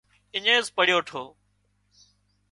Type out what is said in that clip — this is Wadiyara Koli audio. اڃينز پڙِيو ٺو